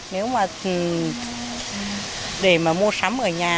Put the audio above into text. nếu mà để mà mua sắm ở nhà